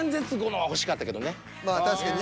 まあ確かに。